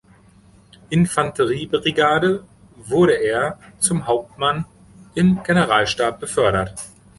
Infanteriebrigade wurde er zum Hauptmann im Generalstab befördert.